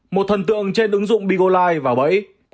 một thần tượng trên ứng dụng begolive vào bẫy